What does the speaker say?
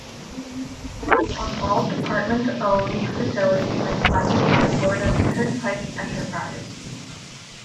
Tolls on all Department-owned facilities are collected by Florida's Turnpike Enterprise.